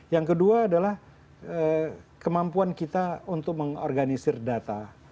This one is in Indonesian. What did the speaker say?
yang kedua adalah kemampuan kita untuk mengorganisir data